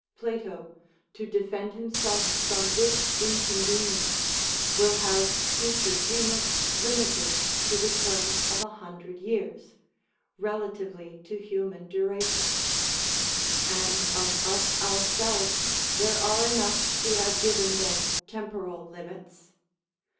Plato, to defend himself from this inconvenience, will have future payments limited to the term of a hundred years, relatively to human duration; and of us ourselves there are enough who have given them temporal limits.